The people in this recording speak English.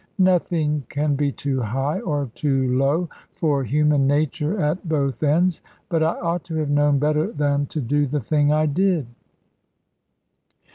Nothing can be too high, or too low, for human nature at both ends; but I ought to have known better than to do the thing I did.